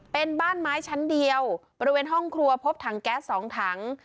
เป็นบ้านไม้ชั้นเดียวบริเวณห้องครัวพบถังแก๊ส๒ถัง